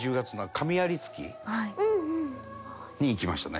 しかも。に行きましたね。